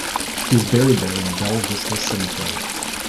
He is buried there in Belle Vista Cemetery.